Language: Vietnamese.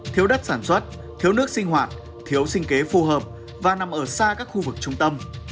thiếu đất sản xuất thiếu nước sinh hoạt thiếu sinh kế phù hợp và nằm ở xa các khu vực trung tâm